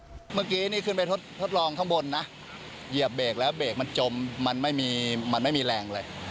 เมื่อกี้นี่ขึ้นไปทดลองข้างบนนะเหยียบเบรกแล้วเบรกมันจมมันไม่มีมันไม่มีแรงเลย